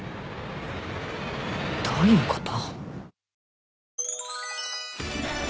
どういうこと？